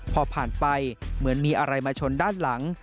พอผ่านไปเหมือนมีอะไรมาชนด้านหลัง